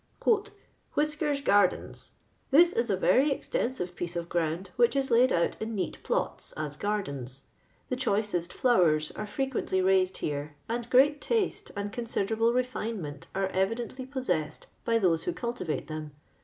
" Whiskefs gardens, — This is a very extensive piece of ground, which is laid out in neat plots, as gardens. The choicest flowers are frequently raided here, and great taste and considerable re finement are evidently possessed by those who cultivate them.